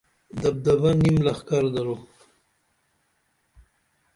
دبدبہ نیم لخکر درو